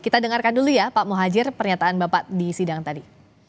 kita dengarkan dulu ya pak muhajir pernyataan bapak di sidang tadi